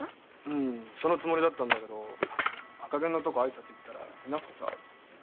うんそのつもりだったんだけど赤ゲンのとこ挨拶行ったらいなくてさ。